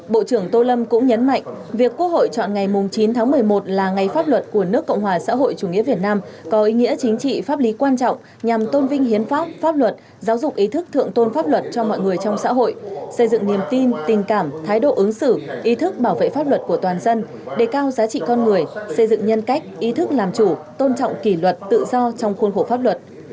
bộ trưởng tô lâm cũng nhấn mạnh việc quốc hội chọn ngày chín tháng một mươi một là ngày pháp luật của nước cộng hòa xã hội chủ nghĩa việt nam có ý nghĩa chính trị pháp lý quan trọng nhằm tôn vinh hiến pháp pháp luật giáo dục ý thức thượng tôn pháp luật cho mọi người trong xã hội xây dựng niềm tin tình cảm thái độ ứng xử ý thức bảo vệ pháp luật của toàn dân đề cao giá trị con người xây dựng nhân cách ý thức làm chủ tôn trọng kỷ luật tự do trong khuôn khổ pháp luật